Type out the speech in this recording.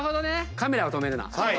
『カメラを止めるな！』